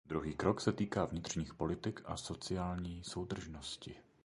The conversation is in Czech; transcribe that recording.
Druhý krok se týká vnitřních politik a sociální soudržnosti.